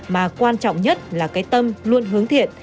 mà quan trọng nhất là cái tâm luôn hướng thiện